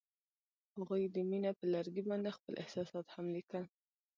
هغوی د مینه پر لرګي باندې خپل احساسات هم لیکل.